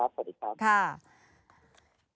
สวัสดีครับ